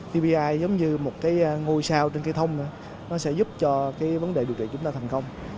tbi giống như một cái ngôi sao trên cây thông nó sẽ giúp cho cái vấn đề điều trị chúng ta thành công